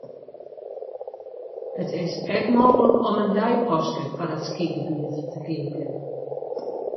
It is ek mooglik om in deipaske foar it skygebiet te keapjen.